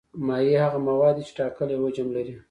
مایع هغه مواد دي چې ټاکلی حجم لري.